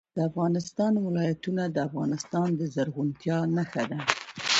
د افغانستان ولايتونه د افغانستان د زرغونتیا نښه ده.